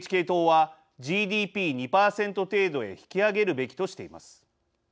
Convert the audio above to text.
ＮＨＫ党はＧＤＰ２％程度へ引き上げるべきとしています。